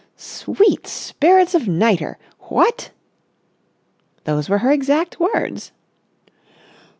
"Sweet spirits of nitre! What!" "Those were her exact words."